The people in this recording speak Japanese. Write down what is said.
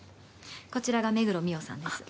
こちらが目黒澪さんです。